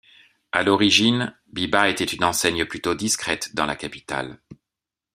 À l'origine, Biba était une enseigne plutôt discrète dans la capitale.